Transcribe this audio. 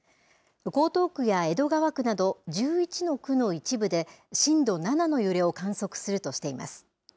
江東区や江戸川区など１１の区の一部で、震度７の揺れを観測するとしています。